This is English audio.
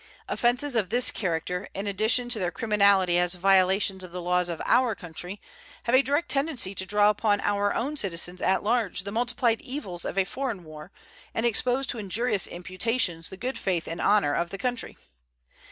Offenses of this character, in addition to their criminality as violations of the laws of our country, have a direct tendency to draw down upon our own citizens at large the multiplied evils of a foreign war and expose to injurious imputations the good faith and honor of the country.